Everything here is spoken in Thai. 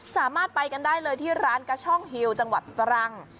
สามารถไปกันได้เลยที่ร้านกระช่องฮิวจังหวัดตรัง